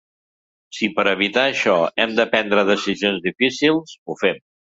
Si per a evitar això hem de prendre decisions difícils, ho fem.